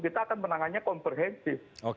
kita akan menangannya komprehensif